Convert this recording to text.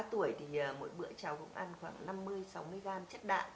ba tuổi thì mỗi bữa cháu cũng ăn khoảng năm mươi sáu mươi gram chất đạ